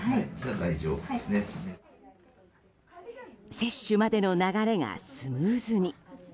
接種までの流れがスムーズに。